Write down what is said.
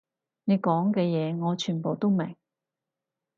你講嘅嘢我全部都明